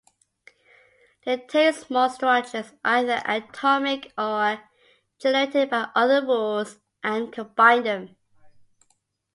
They take small structures, either atomic or generated by other rules, and combine them.